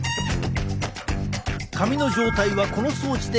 髪の状態はこの装置で確認。